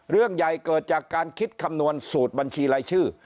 เรื่องใหญ่เกิดจากการคิดคำนวณสูตรบัญชีรายชื่อ